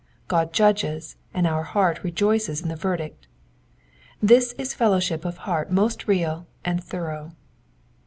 God judges, and our heart rejoices in the verdict This is fellowship of heart most real and thorough.